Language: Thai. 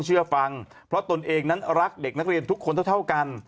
เชื่อฟังเพราะตนเองนั้นรักเด็กนักเรียนทุกคนเท่ากัน